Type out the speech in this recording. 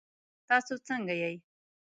تاسو څنګه یئ؟